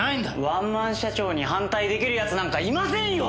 ワンマン社長に反対出来る奴なんかいませんよ！